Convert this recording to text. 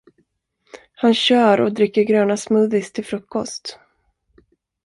Han kör och dricker gröna smoothies till frukost.